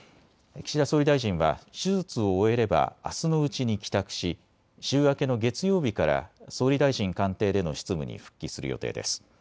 岸田総理大臣は手術を終えればあすのうちに帰宅し週明けの月曜日から総理大臣官邸での執務に復帰する予定です。